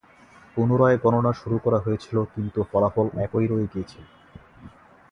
পুনরায় গণনা শুরু করা হয়েছিল কিন্তু ফলাফল একই রয়ে গিয়েছিল।